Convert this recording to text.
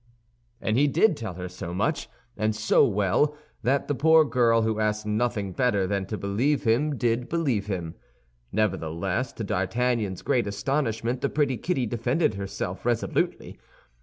And he did tell her so much, and so well, that the poor girl, who asked nothing better than to believe him, did believe him. Nevertheless, to D'Artagnan's great astonishment, the pretty Kitty defended herself resolutely.